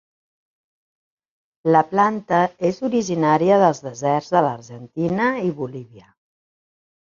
La planta és originària dels deserts de l'Argentina i Bolívia.